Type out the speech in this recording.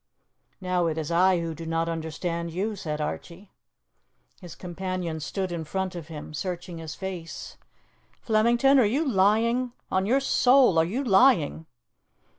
_" "Now it is I who do not understand you," said Archie. His companion stood in front of him, searching his face. "Flemington, are you lying? On your soul, are you lying?"